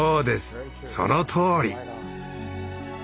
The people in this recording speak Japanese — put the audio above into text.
そのとおり。